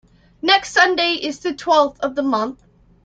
Next Sunday is the twelfth of the month.